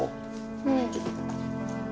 うん